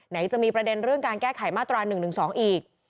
ไหนจะมีประเด็นเรื่องการแก้ไขมาตรา๑๑๒อีก